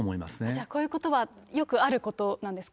じゃあ、こういうことはよくあることなんですか？